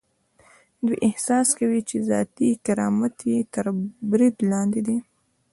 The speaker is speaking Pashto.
دوی احساس کوي چې ذاتي کرامت یې تر برید لاندې دی.